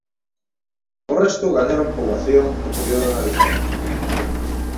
O resto gañaron poboación no período analizado.